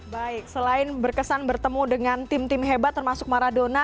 baik selain berkesan bertemu dengan tim tim hebat termasuk maradona